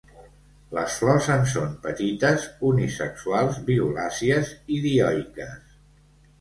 Les flors en són petites, unisexuals, violàcies i dioiques.